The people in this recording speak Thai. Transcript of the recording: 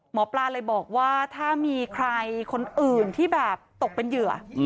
หมอปลาเลยบอกว่าถ้ามีใครคนอื่นที่แบบตกเป็นเหยื่อ